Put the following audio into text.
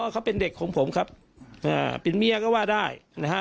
เขาเป็นเด็กของผมครับเป็นเมียก็ว่าได้นะฮะ